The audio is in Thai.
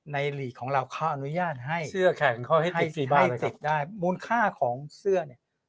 ในหลีของเราก็อนุญาตให้เสื้อแข่งเขาให้ติดสิบบ้านได้มูลค่าของเสื้อนี่